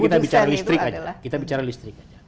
kita bicara listrik kita bicara listrik